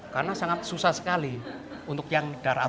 karena sangat susah sekali untuk yang darah ab